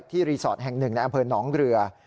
รีสอร์ทแห่งหนึ่งในอำเภอหนองเรือ